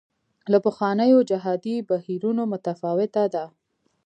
له پخوانیو جهادي بهیرونو متفاوته ده.